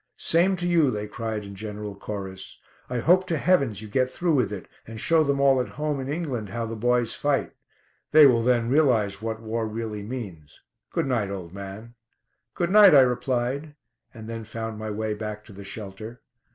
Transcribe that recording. "Same to you," they cried in general chorus. "I hope to heavens you get through with it, and show them all at home in England how the boys fight. They will then realise what war really means. Good night, old man." "Good night," I replied, and then found my way back to the shelter.